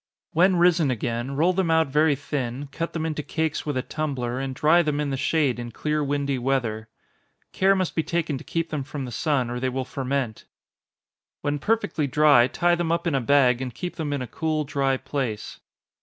When risen again, roll them out very thin, cut them into cakes with a tumbler, and dry them in the shade in clear windy weather. Care must be taken to keep them from the sun, or they will ferment. When perfectly dry, tie them up in a bag, and keep them in a cool dry place.